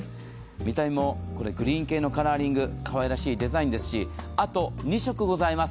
見た目もグリーン系のカラーリング、かわいらしいデザインですし、あと２色ございます。